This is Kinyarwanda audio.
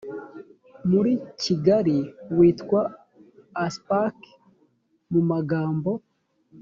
muri kigali witwa asppek mu magambo